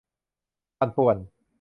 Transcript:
ปั่นป่วน